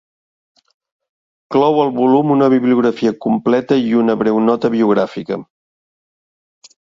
Clou el volum una bibliografia completa i una breu nota biogràfica.